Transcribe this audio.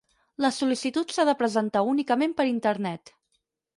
La sol·licitud s'ha de presentar únicament per Internet.